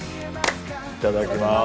いただきます。